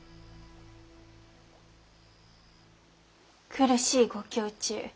苦しいご胸中